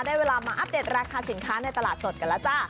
ได้เวลามาอัปเดตราคาสินค้าในตลาดสดกันแล้วจ้า